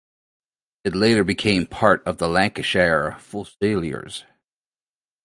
It later became part of the Lancashire Fusiliers.